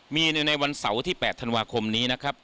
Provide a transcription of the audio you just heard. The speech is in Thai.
มีในวันเสาร์ที่๘ธันวาคมนี้นะครับ